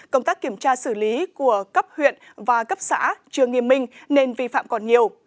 công tác kiểm tra xử lý của cấp huyện và cấp xã chưa nghiêm minh nên vi phạm còn nhiều